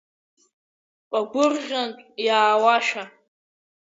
Ԥагәырӷьантә иаауашәа…